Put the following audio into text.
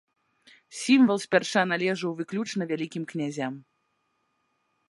Сімвал спярша належаў выключна вялікім князям.